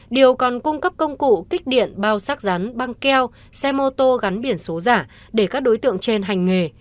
điều còn cung cấp công cụ kích điện bao xác rắn băng keo xe mô tô gắn biển số giả để các đối tượng trên hành nghề